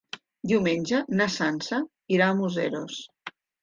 Diumenge na Sança irà a Museros.